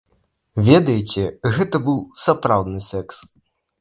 Ведаеце, гэта быў сапраўдны секс.